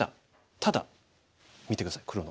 ただ見て下さい黒の。